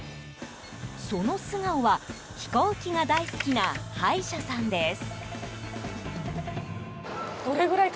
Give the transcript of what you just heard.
その素顔は、飛行機が大好きな歯医者さんです。